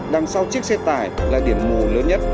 đằng sau chiếc xe tải là điểm mù lớn nhất